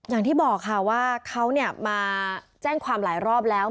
อย่างที่บอกค่ะว่าเขามาแจ้งความหลายรอบแล้ว